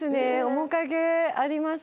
面影あります